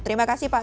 terima kasih pak